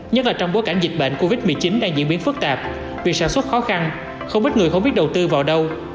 nhất là trong bối cảnh dịch bệnh covid một mươi chín đang diễn biến phức tạp việc sản xuất khó khăn không ít người không biết đầu tư vào đâu